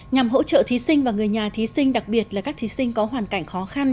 nhằm hỗ trợ thí sinh và người nhà thí sinh đặc biệt là các thí sinh có hoàn cảnh khó khăn